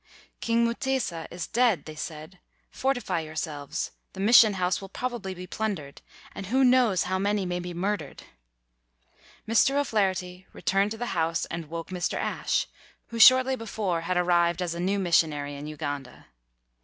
"King Mutesa is dead," they said, "for tify yourselves; the mission house will probably be plundered, and who knows how many may be murdered %'' Mr. O 'Flaherty returned to the house and woke Mr. Ashe, who shortly before had ar 195 WHITE MAN OF WORK rived as a new missionary in Uganda.